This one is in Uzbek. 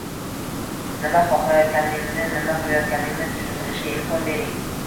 nima xohlayotganingni, nima qilayotganingni tushuntirishiga imkon bering.